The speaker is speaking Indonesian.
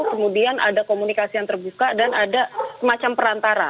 kemudian ada komunikasi yang terbuka dan ada semacam perantara